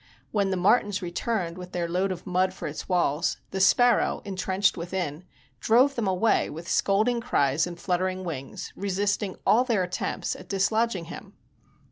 When the martins returned with their load of mud for its walls, the sparrow, intrenched within, drove them away with scolding cries and fluttering wings, resisting all their attempts at dislodging him.